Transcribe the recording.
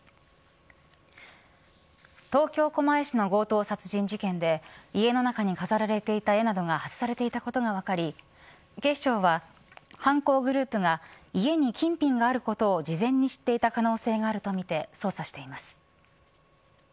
東京、狛江市の強盗殺人事件で家の中に飾られていた絵などが外されていたことが分かり警視庁は犯行グループが家に金品があることを事前に知っていた可能性があるとみて捜査しています。